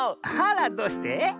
あらどうして？